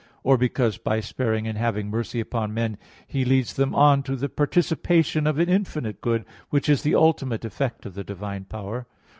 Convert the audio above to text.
Or, because by sparing and having mercy upon men, He leads them on to the participation of an infinite good; which is the ultimate effect of the divine power.